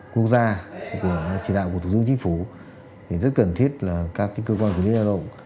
quốc gia của chỉ đạo của tổ chức chính phủ thì rất cần thiết là các cái cơ quan quy định lao động